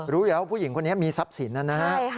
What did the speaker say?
รู้อยู่แล้วว่าผู้หญิงคนนี้มีทรัพย์สินนะครับ